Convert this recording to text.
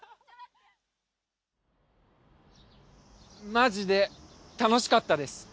マジで楽しかったです。